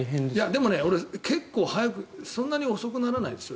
でも俺、結構そんなに遅くならないです。